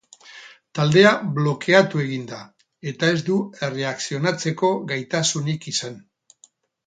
Taldea blokeatu egin da, eta ez du erreakzionatzeko gaitasunik izan.